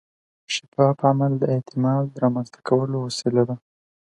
شفاف عمل د اعتماد رامنځته کولو وسیله ده.